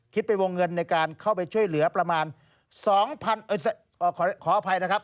เป็นวงเงินในการเข้าไปช่วยเหลือประมาณ๒๐๐ขออภัยนะครับ